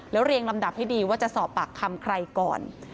เรียงลำดับให้ดีว่าจะสอบปากคำใครก่อน